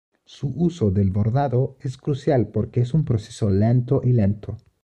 Su uso del bordado es crucial porque es un proceso lento y lento.